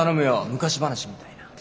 昔話みたいな。